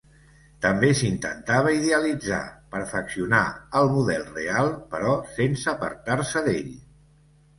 També s’intentava idealitzar, perfeccionar el model real, però sense apartar-se d’ell.